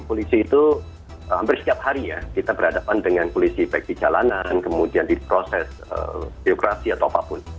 polisi itu hampir setiap hari ya kita berhadapan dengan polisi baik di jalanan kemudian di proses birokrasi atau apapun